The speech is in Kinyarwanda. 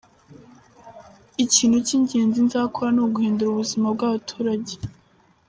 Ikintu cy’ingenzi nzakora ni uguhindura ubuzima bw’abatrage.